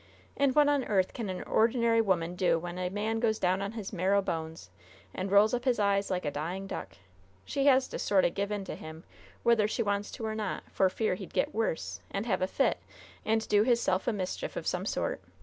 And what on earth can an ordinary 'oman do when a man goes down on his marrow bones and rolls up his eyes like a dying duck? She has to sort o' give in to him whether she wants to or not! for fear he'd get worse, and have a fit, and do hisself a mischief of some sort!